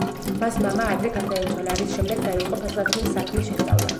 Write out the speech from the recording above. მას მამა ადრე გარდაეცვალა, რის შემდეგ დაიწყო ფეხსაცმლის საქმის შესწავლა.